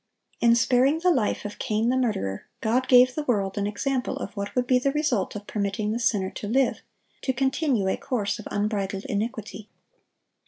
In sparing the life of Cain the murderer, God gave the world an example of what would be the result of permitting the sinner to live, to continue a course of unbridled iniquity.